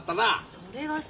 それがさ